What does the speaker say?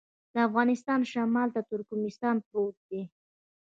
د افغانستان شمال ته ترکمنستان پروت دی